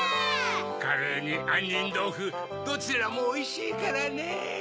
カレーにあんにんどうふどちらもおいしいからねぇ。